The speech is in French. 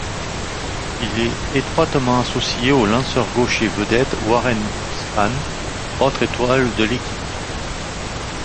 Il est étroitement associé au lanceur gaucher vedette Warren Spahn, autre étoile de l'équipe.